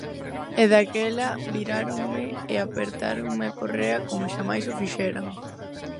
E daquela viráronme e apertáronme a correa como xamais o fixeran.